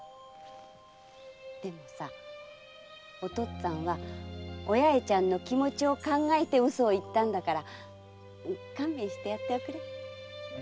でもさお父っつぁんはお八重ちゃんの気持ちを考えて嘘を言ったんだから勘弁してやっておくれ。